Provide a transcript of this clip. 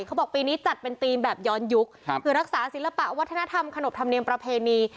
เขาบอกปีนี้จัดเป็นธีมแบบย้อนยุคคือรักษาศิลปะวัฒนธรรมขนบธรรมเนียมประเพณี